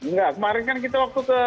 enggak kemarin kan kita waktu ke